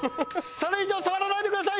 それ以上触らないでください！